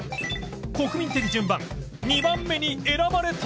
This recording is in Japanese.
国民的順番２番目に選ばれたのは